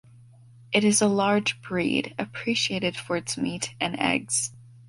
It is a large breed, appreciated for its meat and eggs.